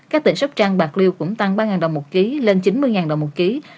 các tỉnh sóc trăng bạc liêu cũng tăng ba đồng một ký lên chín mươi đồng một ký